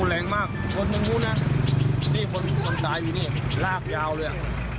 มุ่งแรงมากคนนู้นน่ะคนตายอยู่นี่รากยาวเลย